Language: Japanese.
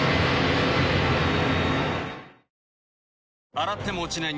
洗っても落ちない